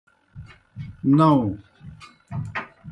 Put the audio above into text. ناؤں۔